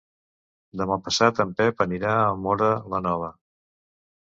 Demà passat en Pep anirà a Móra la Nova.